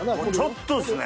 ちょっとですね。